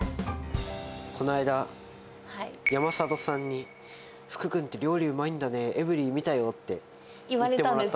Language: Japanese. こないだ、山里さんに福君って料理うまいんだね、エブリィ見たよって言ってもらったんです。